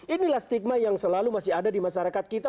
inilah stigma yang selalu masih ada di masyarakat kita